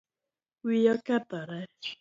Wiyi okethore